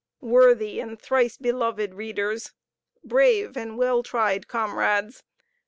Worthy and thrice beloved readers! brave and well tried comrades!